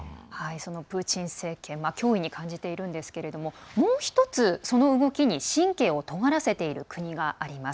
そのプーチン政権は脅威に感じているんですけれどももう１つその動きに神経をとがらせている国があります。